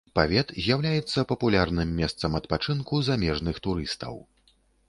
Павет з'яўляецца папулярным месцам адпачынку замежных турыстаў.